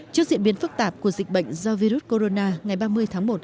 trước diễn biến phức tạp của dịch bệnh do virus corona ngày ba mươi tháng một